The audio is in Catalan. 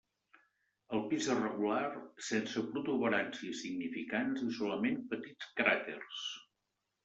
El pis és regular, sense protuberàncies significants i solament petits cràters.